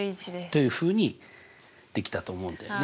というふうにできたと思うんだよね。